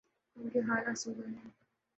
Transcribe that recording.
ان کے حال آسودہ ہیں۔